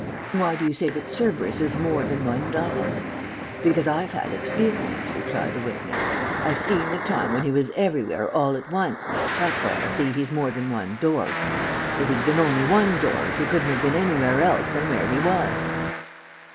"'Why do you say that Cerberus is more than one dog?' "'Because I've had experience,' replied the witness. 'I've seen the time when he was everywhere all at once; that's why I say he's more than one dorg. If he'd been only one dorg he couldn't have been anywhere else than where he was.'